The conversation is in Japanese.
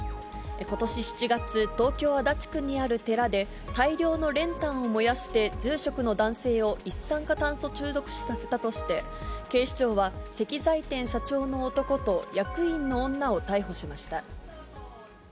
ことし７月、東京・足立区にある寺で、大量の練炭を燃やして住職の男性を一酸化炭素中毒死させたとして、警視庁は、石材店社長の男と役員の女を逮捕しました。